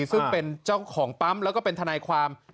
ซึ่งเป็นเจ้าของปั๊มแล้วก็เป็นทนายความ